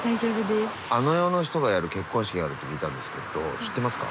あの世の人がやる結婚式があるって聞いたんですが知ってますか？